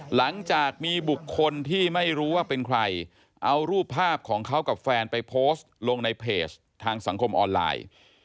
หลังจากมีบุคคลที่ไม่รู้ว่าเป็นใครเอารูปภาพของเขากับแฟนไปโพสต์ลงในเพจทางสังคมออนไลน์